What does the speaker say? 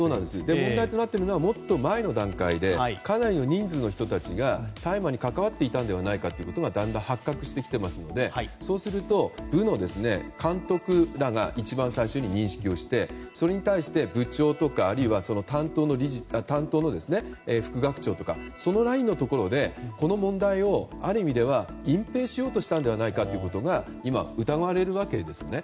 問題となっているのはもっと前の段階でかなりの人数の人たちが大麻に関わっていたのではないかということがだんだん発覚してきていますので部の監督らが一番最初に認識をして、それに対して部長とか担当の副学長とかそのラインのところでこの問題をある意味では隠蔽しようとしたんじゃないかということが今、疑われるわけですね。